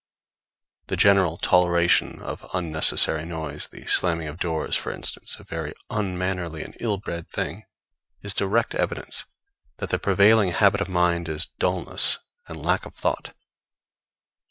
The general toleration of unnecessary noise the slamming of doors, for instance, a very unmannerly and ill bred thing is direct evidence that the prevailing habit of mind is dullness and lack of thought.